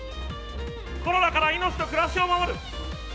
コロナから命と暮らしを守る。